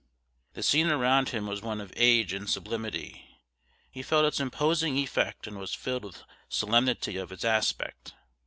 The scene around him was one of age and sublimity: he felt its imposing effect and was filled with the solemnity of its aspect!